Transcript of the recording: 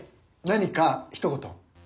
何かひと言。